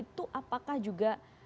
itu apakah juga